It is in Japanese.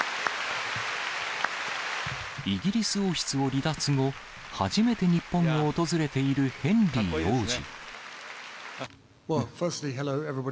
イギリス王室を離脱後、初めて日本を訪れているヘンリー王子。